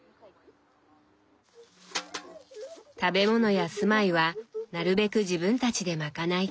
食べ物や住まいはなるべく自分たちで賄いたい。